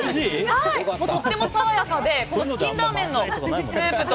とっても爽やかでチキンラーメンのスープと